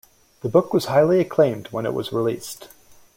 The book was highly acclaimed when it was released.